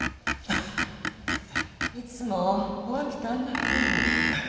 いつもお秋とあんなふうに？